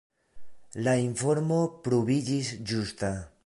La informo pruviĝis ĝusta.